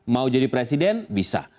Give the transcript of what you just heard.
mau jadi presiden bisa